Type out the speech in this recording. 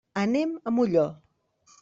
Anem a Molló.